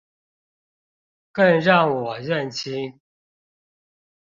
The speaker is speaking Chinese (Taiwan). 更讓我認清